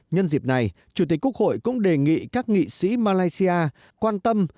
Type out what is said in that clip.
nhân dịp này chủ tịch quốc hội cũng đề nghị các nghị sĩ malaysia quan tâm